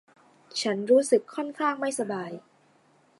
ฉันรู้สึกค่อนข้างไม่สบาย